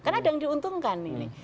karena ada yang diuntungkan ini